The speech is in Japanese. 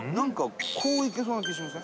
こう行けそうな気しません？